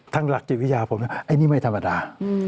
ทางหลักจีนวิญญาณผมใช่อันนี้ไม่ธรรมดา